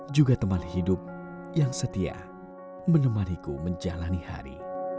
juga teman hidup yang setia menemaniku menjalani hari